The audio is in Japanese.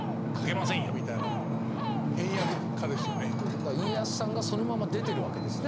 だから家康さんがそのまま出てるわけですね。